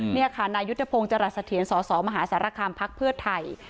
เนี่ยค่ะนายุทธพงศ์จรษฐียนต์สสมหาศาลกรรมพักเพื่อไทย